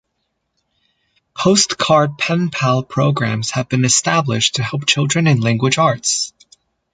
Postcard Penpal programs have been established to help children in language arts.